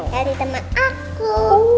dari temen aku